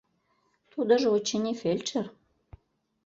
Тудыжо, очыни, фельдшер.